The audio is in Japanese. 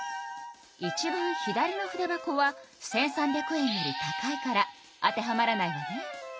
いちばん左の筆箱は１，３００円より高いから当てはまらないわね。